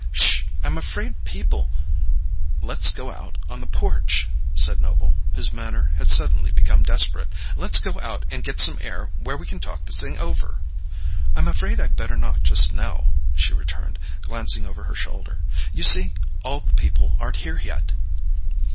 "Sh! I'm afraid people " "Let's go out on the porch," said Noble, whose manner had suddenly become desperate. "Let's go out and get some air where we can talk this thing over." "I'm afraid I'd better not just now," she returned, glancing over her shoulder. "You see, all the people aren't here yet."